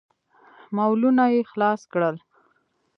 مولونه يې خلاص کړل.